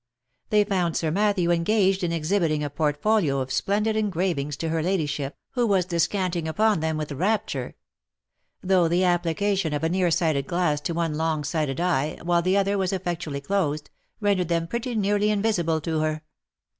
They found Sir Matthew engaged in exhibiting a portfolio of splen did engravings to her ladyship, who was descanting upon them with rapture ; though the application of a near sighted glass to one long sighted eye, while the other was effectually closed, rendered them pretty nearly invisible to her.